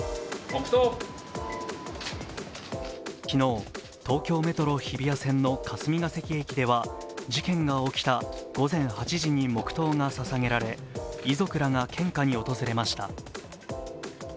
昨日、東京メトロ日比谷線の霞ケ関駅では事件が起きた午前８時に黙とうがささげられ遺族らが献花に訪れました。